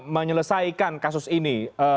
menyelesaikan kasus ini